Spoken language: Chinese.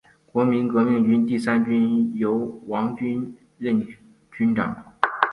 国民革命军第三军由王均任军长。